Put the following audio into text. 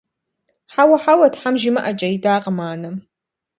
Хьэуэ, хьэуэ, тхьэм жимыӀэкӀэ! – идакъым анэм.